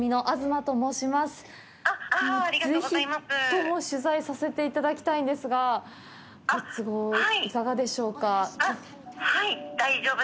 ぜひとも取材させていただきたいんですが、ご都合いかがでしょうか、きょう。